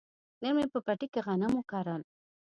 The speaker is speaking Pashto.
نن مې په پټي کې غنم وکرل.